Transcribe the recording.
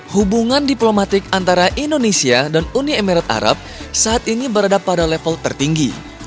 hubungan diplomatik antara indonesia dan uni emirat arab saat ini berada pada level tertinggi